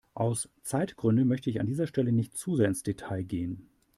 Aus Zeitgründen möchte ich an dieser Stelle nicht zu sehr ins Detail gehen.